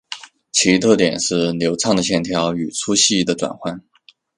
其特点是流畅的线条与粗细的转换。